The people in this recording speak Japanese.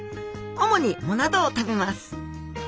主に藻などを食べます。